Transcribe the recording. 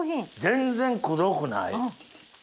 全然くどくない。